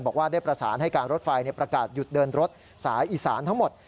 บอกว่าได้ประสานให้การรถไฟประกาศหยุดเดินรถสายอีสานทั้งหมด